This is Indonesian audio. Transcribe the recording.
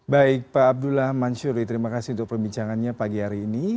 baik pak abdullah mansyuri terima kasih untuk perbincangannya pagi hari ini